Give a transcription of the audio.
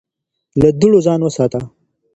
له دوړو ځان وساته